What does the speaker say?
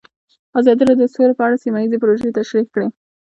ازادي راډیو د سوله په اړه سیمه ییزې پروژې تشریح کړې.